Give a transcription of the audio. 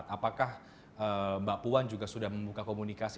apakah mbak puan juga sudah membuka komunikasi